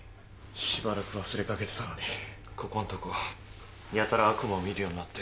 しばらく忘れかけてたのにここんとこやたら悪夢を見るようになって。